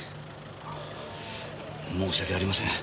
あぁ申し訳ありません。